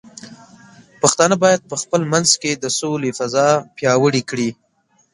پښتانه بايد په خپل منځ کې د سولې فضاء پیاوړې کړي.